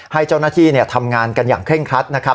ให้เจ้าหน้าที่ทำงานกันอย่างเคร่งครัดนะครับ